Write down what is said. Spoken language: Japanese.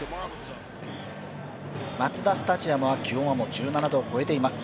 マツダスタジアムは、気温はもう１７度を超えています。